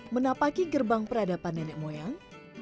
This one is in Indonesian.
menapaki gerbang peradaban nenek moyang